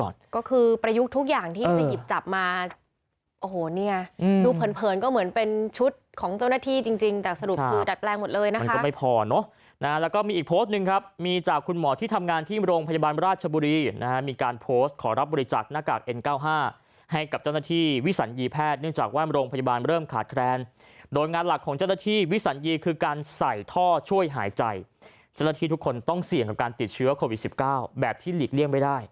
ดูเผินเผินก็เหมือนเป็นชุดของเจ้าหน้าที่จริงจริงแต่สรุปคือดัดแปลงหมดเลยนะคะมันก็ไม่พอเนอะนะฮะแล้วก็มีอีกโพสต์หนึ่งครับมีจากคุณหมอที่ทำงานที่โรงพยาบาลราชบุรีนะฮะมีการโพสต์ขอรับบริจักษ์หน้ากากเอ็นเก้าห้าให้กับเจ้าหน้าที่วิสัญญีแพทย์เนื่องจากว่าโรงพยาบาลเริ่ม